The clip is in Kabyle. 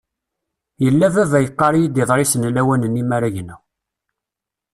Yella baba yeqqar-iyi-d iḍrisen lawan-nni mara gneɣ.